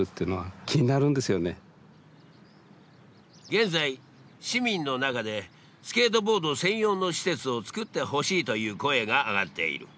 現在市民の中でスケートボード専用の施設を作ってほしいという声が上がっている。